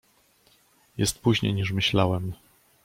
"Jest później, niż myślałem."